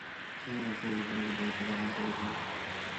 তিনি অস্থায়ী বিচারকের দায়িত্ব পালন করেছেন।